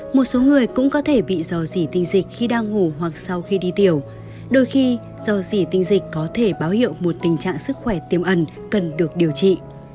một số người cũng có thể bị dò dỉ tình dịch khi đang ngủ hoặc sau khi đi tiểu đôi khi do dỉ tình dịch có thể báo hiệu một tình trạng sức khỏe tiềm ẩn cần được điều trị